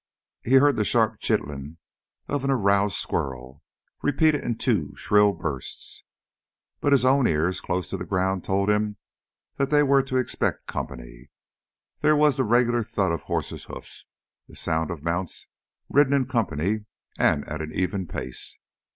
He heard the sharp chittering of an aroused squirrel, repeated in two shrill bursts. But his own ear close to the ground told him they were to expect company. There was the regular thud of horses' hoofs, the sound of mounts ridden in company and at an even pace.